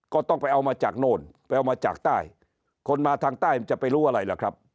ก็ต้องไปเอามาจากโน่นไปเอามาจากใต้คนมาทางใต้มันจะไปรู้อะไรล่ะครับ